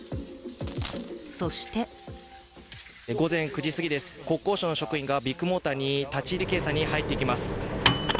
そして午前９時すぎです、国交省の職員がビッグモーターに立ち入り検査に入っていきます。